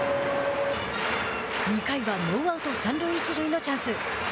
２回はノーアウト、三塁一塁のチャンス。